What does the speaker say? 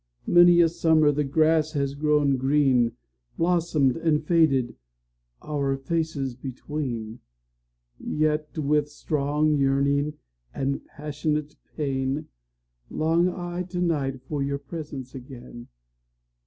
Many a summer the grass has grown green, Blossomed and faded, our faces between:Yet, with strong yearning and passionate pain, Long I to night for your presence again.